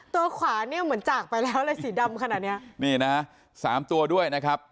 ตัวขวาเนี่ยเหมือนจากไปแล้วเลยสีดำขนาดเนี้ยนี่นะสามตัวด้วยนะครับ